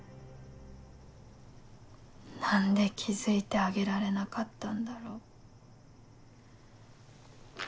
何で気付いてあげられなかったんだろう。